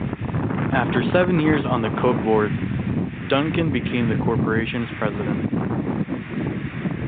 After seven years on the Coke board, Duncan became the corporation's president.